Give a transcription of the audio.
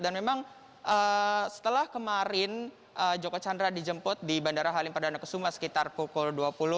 dan memang setelah kemarin joko chandra dijemput di bandara halim perdana kesuma sekitar pukul dua puluh empat puluh